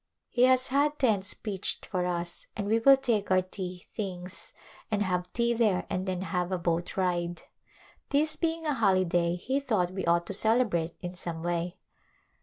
He has had tents pitched for us and wo, will take our tea things and have tea there and then have a boat ride. This being a holiday he thought we ought to celebrate in some way.